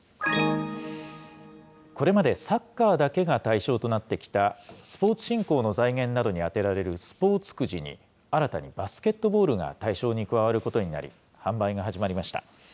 これまでサッカーだけが対象となってきた、スポーツ振興の財源などに充てられるスポーツくじに、新たにバスケットボールが対象に加わることになり、販売が始まりました。